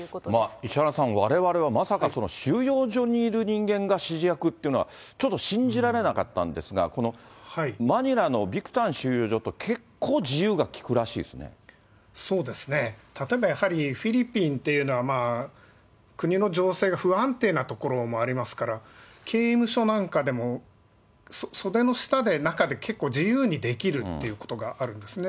石原さん、われわれは、まさか、収容所にいる人間が指示役っていうのは、ちょっと信じられなかったんですが、このマニラのビクタン収容所って、結構、そうですね、例えばやはり、フィリピンというのは国の情勢が不安定なところもありますから、刑務所なんかでも、袖の下で、中で結構自由にできるっていうことがあるんですね。